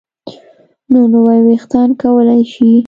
نو نوي ویښتان کولی شي